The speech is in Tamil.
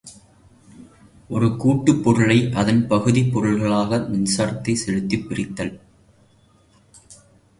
ஒரு கூட்டுப் பொருளை அதன் பகுதிப் பொருள்களாக மின்சாரத்தைச் செலுத்திப் பிரித்தல்.